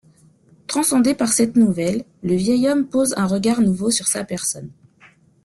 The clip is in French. Transcendé par cette nouvelle, le vieil homme pose un regard nouveau sur sa personne.